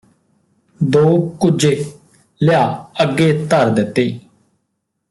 ਦੋ ਕੁੱਜੇ ਲਿਆ ਅੱਗੇ ਧਰ ਦਿੱਤੇ